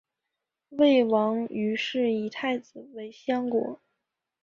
魏王于是以太子为相国。